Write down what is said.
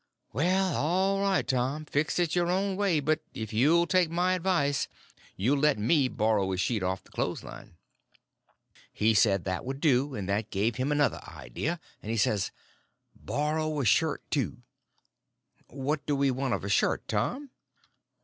"Well, all right, Tom, fix it your own way; but if you'll take my advice, you'll let me borrow a sheet off of the clothesline." He said that would do. And that gave him another idea, and he says: "Borrow a shirt, too." "What do we want of a shirt, Tom?"